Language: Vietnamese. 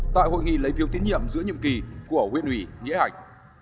tại hội nghị lấy phiếu tiến nhiệm giữa nhiệm kỳ của huyện ủy nghĩa hạch